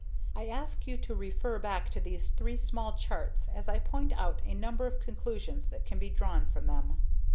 I ask you to refer back to these three small charts as I point out a number of conclusions that can be drawn from them.